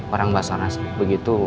orang basarnas begitu